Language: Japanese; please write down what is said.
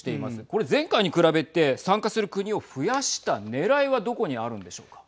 これ前回に比べて参加する国を増やしたねらいはどこにあるんでしょうか。